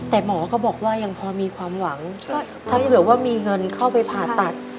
แต่หมอก็บอกว่ายังพอมีความหวังถ้าเกิดว่ามีเงินเข้าไปผ่าตัด